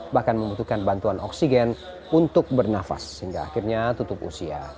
bahkan membutuhkan bantuan oksigen untuk bernafas sehingga akhirnya tutup usia